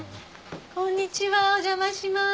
こんにちはお邪魔します。